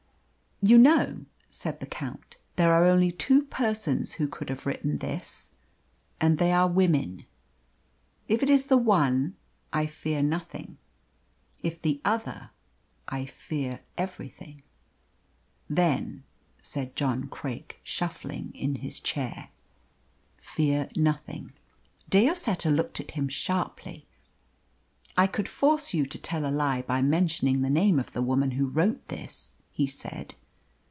"You know," said the Count, "there are only two persons who could have written this and they are women. If it is the one, I fear nothing; if the other, I fear everything." "Then," said John Craik, shuffling in his chair, "fear nothing." De Lloseta looked at him sharply. "I could force you to tell a lie by mentioning the name of the woman who wrote this," he said.